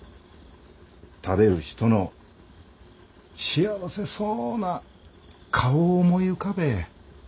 食べる人の幸せそうな顔を思い浮かべえ。